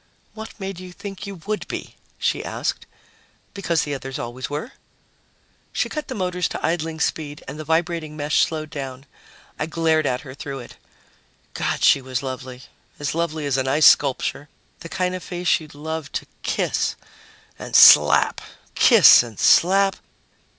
"What made you think you would be?" she asked. "Because the others always were." She cut the motors to idling speed and the vibrating mesh slowed down. I glared at her through it. God, she was lovely as lovely as an ice sculpture! The kind of face you'd love to kiss and slap, kiss and slap....